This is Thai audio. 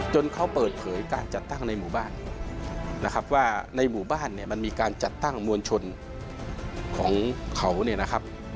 เขาเปิดเผยการจัดตั้งในหมู่บ้านนะครับว่าในหมู่บ้านเนี่ยมันมีการจัดตั้งมวลชนของเขาเนี่ยนะครับ